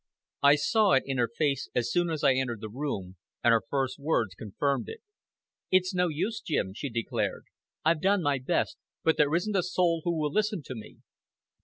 I saw it in her face as soon as I entered the room, and her first few words confirmed it. "It's no use, Jim," she declared. "I've done my best, but there isn't a soul who will listen to me."